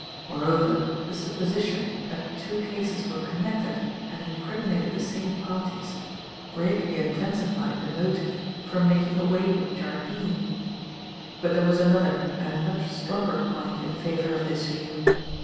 Moreover, the supposition that the two cases were connected and incriminated the same parties, greatly intensified the motive for making away with Jardine. But there was another and much stronger point in favour of this view.